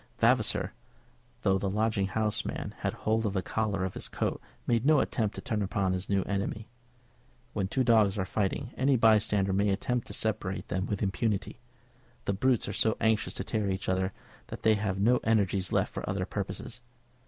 Vavasor, though the lodging house man had hold of the collar of his coat, made no attempt to turn upon his new enemy. When two dogs are fighting, any bystander may attempt to separate them with impunity. The brutes are so anxious to tear each other that they have no energies left for other purposes.